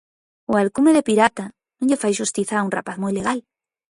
O alcume de Pirata non lle fai xustiza a un rapaz moi legal.